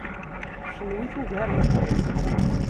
Kenwi tugarem Tom.